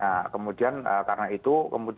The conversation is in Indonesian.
nah kemudian karena itu